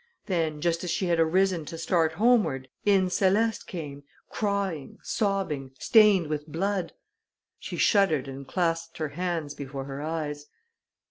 Then, just as she had arisen to start homeward, in Céleste came, crying, sobbing, stained with blood." She shuddered and clasped her hands before her eyes.